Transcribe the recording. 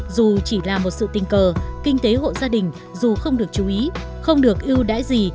dù chỉ là một sự tình cờ kinh tế hộ gia đình dù không được chú ý không được ưu đãi gì